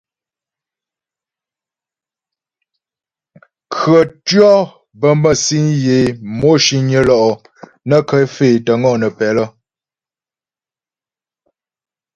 Khətʉɔ̌ bə mə́sîŋ yə é mò ciŋnyə lo'o nə́ ké faə́ é tə́ ŋɔnə́pɛ lə.